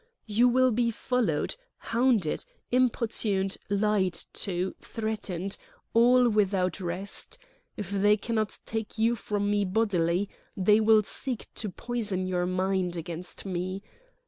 You will be followed, hounded, importuned, lied to, threatened—all without rest. If they cannot take you from me bodily, they will seek to poison your mind against me.